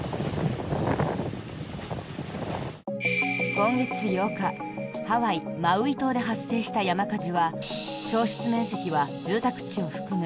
今月８日、ハワイ・マウイ島で発生した山火事は焼失面積は住宅地を含む